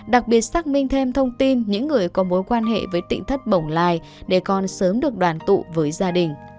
đặc biệt xác minh thêm thông tin những người có mối quan hệ với tỉnh thất bồng lai để con sớm được đoàn tụ với gia đình